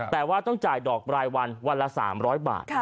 แต่ว่าต้องจ่ายดอกรายวันวันละ๓๐๐บาท